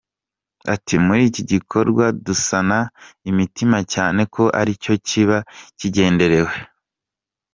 Ati “Muri iki gikorwa dusana imitima cyane ko ari cyo kiba kigenderewe.